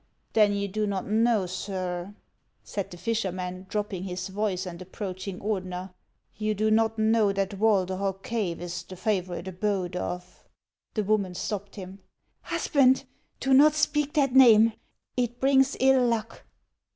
" Then you do not know, sir," said the fisherman, drop ping his voice and approaching Ordener, — "you do not know that Walderhog cave is the favorite abode of —" The woman stopped him. " Husband, do not speak that name ; it brings ill luck."